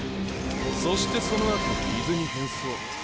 そしてその後水に変装。